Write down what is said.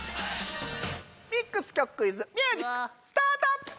ミックス曲クイズミュージックスタート！